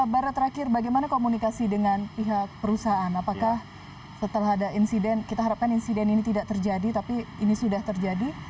bara terakhir bagaimana komunikasi dengan pihak perusahaan apakah setelah ada insiden kita harapkan insiden ini tidak terjadi tapi ini sudah terjadi